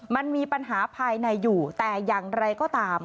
มันมีปัญหาภายในอยู่แต่อย่างไรก็ตาม